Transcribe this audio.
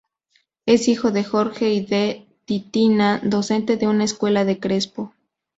Es hijo de Jorge y de Titina, docente de una escuela en Crespo.